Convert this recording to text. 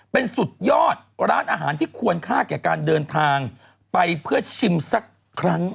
เป็นสุดยอดร้านอาหารที่ควรค่าแก่การเดินทางไปเพื่อชิมสักครั้ง